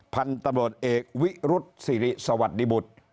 พันธุ์ตำรวจเอกวิรุษศิริสวัสดิบุตร